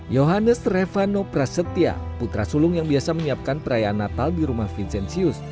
yohanes revano prasetya putra sulung yang biasa menyiapkan perayaan natal di rumah vincenzius